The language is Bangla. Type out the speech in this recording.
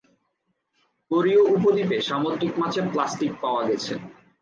কোরীয় উপদ্বীপে সামুদ্রিক মাছে প্লাস্টিক পাওয়া গেছে।